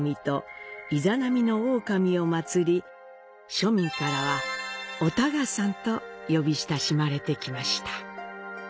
庶民からは「お多賀さん」と呼び親しまれてきました。